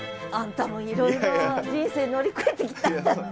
あんたもいろいろ人生乗り越えてきたんだ。